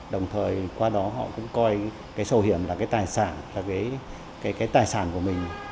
đồng thời qua đó họ cũng coi sổ bảo hiểm là cái tài sản của mình